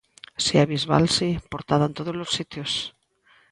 Se é Bisbal si, portada en todos os sitios.